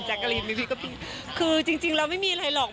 แจกเกอรินจริงแล้วไม่มีอะไรหรอก